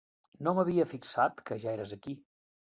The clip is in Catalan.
No m'havia fixat que ja eres aquí.